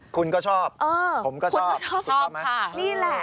คุณก็ชอบผมก็ชอบคุณชอบไหมนี่แหละ